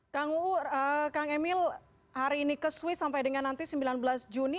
kang uu kang emil hari ini ke swiss sampai dengan nanti sembilan belas juni